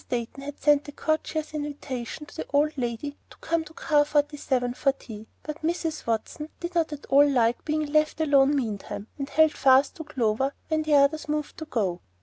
Dayton had sent a courteous invitation to the old lady to come to Car Forty seven for tea, but Mrs. Watson did not at all like being left alone meantime, and held fast to Clover when the others moved to go.